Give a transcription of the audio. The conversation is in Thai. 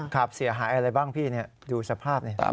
ครับเสียหายอะไรบ้างพี่เนี่ยอยู่สภาพเนี่ย